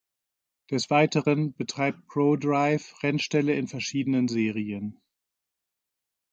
Des Weiteren betreibt Prodrive Rennställe in verschiedenen Serien.